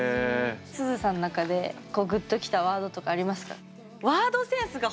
すずさんの中でこうグッときたワードとかありますか？